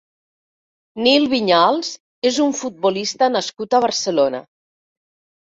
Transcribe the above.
Nil Vinyals és un futbolista nascut a Barcelona.